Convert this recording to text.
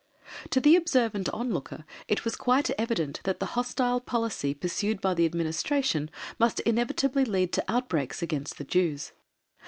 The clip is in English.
To the observant onlooker it was quite evident that the hostile policy pursued by the Administration must inevitably lead to outbreaks against the Jews.